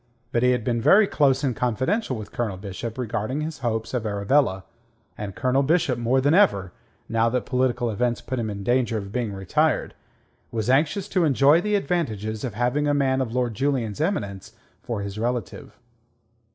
But he had been very close and confidential with Colonel Bishop regarding his hopes of Arabella, and Colonel Bishop more than ever, now that political events put him in danger of being retired, was anxious to enjoy the advantages of having a man of Lord Julian's eminence for his relative.